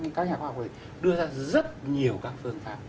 đưa ra rất nhiều các phương pháp